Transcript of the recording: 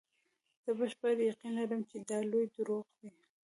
زه بشپړ یقین لرم چې دا لوی دروغ دي.